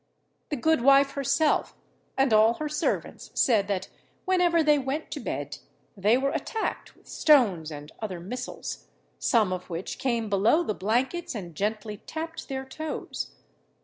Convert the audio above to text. The goodwife herself, and all her servants, said that, whenever they went to bed, they were attacked with stones and other missiles, some of which came below the blankets and gently tapped their toes.